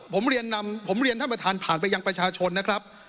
ผมเรียนท่านประธานผ่านไปยังประชาชนนะครับ